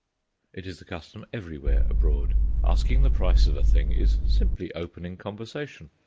It is the custom everywhere abroad—asking the price of a thing is simply opening conversation.